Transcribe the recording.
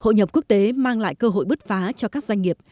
hội nhập quốc tế mang lại cơ hội bứt phá cho các doanh nghiệp